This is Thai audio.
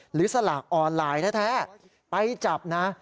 สลากออนไลน์แท้ไปจับนะ